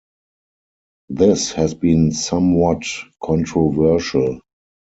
This has been somewhat controversial.